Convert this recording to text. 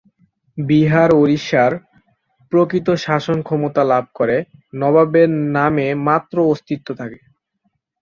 বিহার-ওড়িশার প্রকৃত শাসন ক্ষমতা লাভ করে, নবাবের নামে মাত্র অস্তিত্ব থাকে।